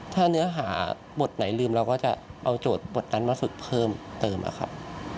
ถ้าเนื้อหาบทไหนลืมเราก็จะเอาโจทย์บทนั้นมาฝึกเพิ่มเติมนะครับ